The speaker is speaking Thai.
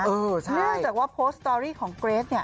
เนื่องจากว่าโพสต์สตอรี่ของเกรท